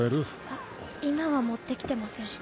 あっ今は持ってきてません。